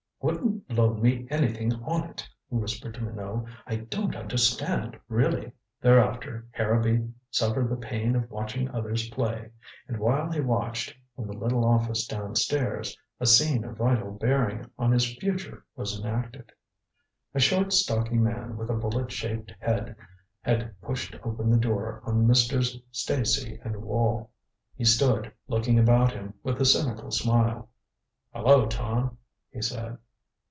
"Wouldn't loan me anything on it," he whispered to Minot. "I don't understand, really." Thereafter Harrowby suffered the pain of watching others play. And while he watched, in the little office down stairs, a scene of vital bearing on his future was enacted. A short stocky man with a bullet shaped head had pushed open the door on Messrs. Stacy and Wall. He stood, looking about him with a cynical smile. "Hello, Tom," he said.